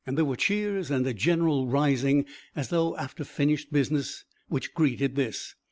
There were cheers and a general rising, as though after finished business, which greeted this.